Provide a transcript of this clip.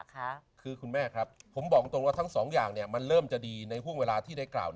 คือคุณแม่ครับผมบอกจริงว่าทั้งสองอย่างเริ่มจะดีในเวลาที่ได้กล่าว